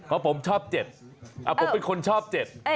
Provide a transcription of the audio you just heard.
เพราะผมชอบเจทผมเป็นคุณชอบเจท